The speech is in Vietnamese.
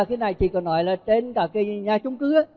cái này chị có nói là trên cả cái nhà trung cứ